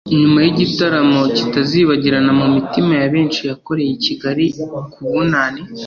nyuma y’igitaramo kitazibaniraga mu mitima ya benshi yakoreye i Kigali ku Bunani